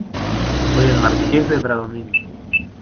soy el Marqués de Bradomín.